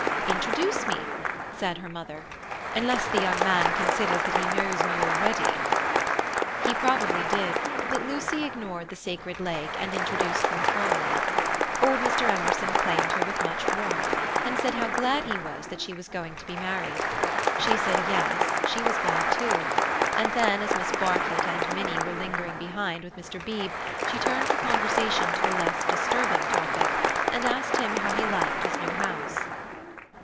"Introduce me," said her mother. "Unless the young man considers that he knows me already." He probably did; but Lucy ignored the Sacred Lake and introduced them formally. Old Mr. Emerson claimed her with much warmth, and said how glad he was that she was going to be married. She said yes, she was glad too; and then, as Miss Bartlett and Minnie were lingering behind with Mr. Beebe, she turned the conversation to a less disturbing topic, and asked him how he liked his new house.